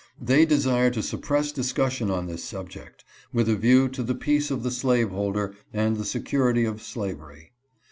They desire to suppress discussion on this subject, with a view to the peace of the slaveholder and the security of slavery.